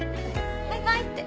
バイバイって。